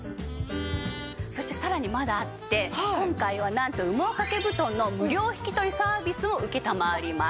そしてさらにまだあって今回はなんと羽毛掛け布団の無料引き取りサービスを承ります。